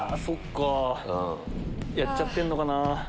そっかやっちゃってんのかな。